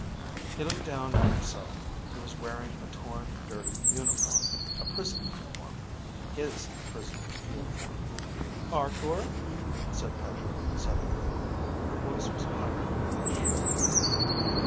He looked down at himself. He was wearing a torn, dirty uniform. A prison uniform. His prison uniform! "Arkor," said Petra, suddenly. (Her voice was higher, less sure.)